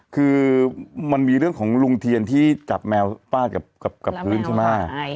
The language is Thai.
คือมันมีเรื่องของลุงเทียนที่จับแมวฟาดกับพื้นใช่ไหม